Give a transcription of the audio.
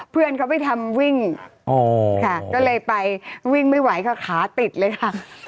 เพื่อนเขาไปทำวิ่งค่ะก็เลยไปวิ่งไม่ไหวค่ะขาติดเลยค่ะ